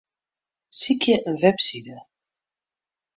Sykje in webside.